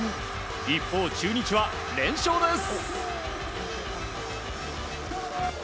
一方、中日は連勝です。